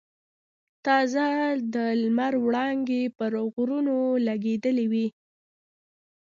تازه د لمر وړانګې پر غرونو لګېدلې وې.